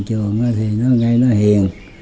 thằng trường thì nó gây nó hiền